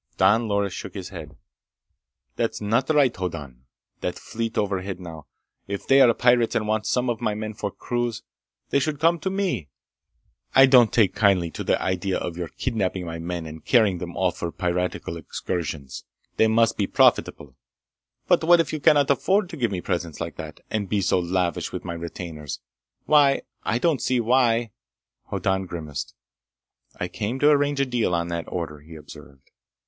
Don Loris shook his head. "That's not right, Hoddan! That fleet overhead, now. If they are pirates and want some of my men for crews, they should come to me! I don't take kindly to the idea of your kidnaping my men and carrying them off on piratical excursions! They must be profitable! But if you can afford to give me presents like that, and be so lavish with my retainers ... why I don't see why—" Hoddan grimaced. "I came to arrange a deal on that order," he observed.